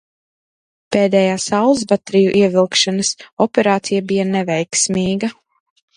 Pēdējā saules bateriju ievilkšanas operācija bija neveiksmīga.